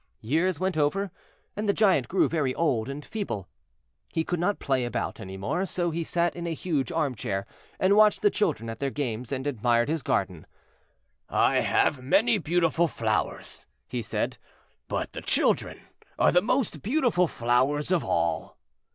Years went over, and the Giant grew very old and feeble. He could not play about any more, so he sat in a huge armchair, and watched the children at their games, and admired his garden. "I have many beautiful flowers," he said; "but the children are the most beautiful flowers of all."